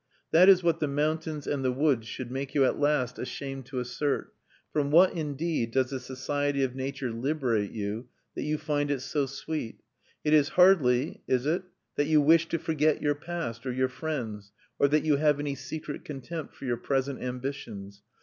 That is what the mountains and the woods should make you at last ashamed to assert. From what, indeed, does the society of nature liberate you, that you find it so sweet? It is hardly (is it?) that you wish to forget your past, or your friends, or that you have any secret contempt for your present ambitions.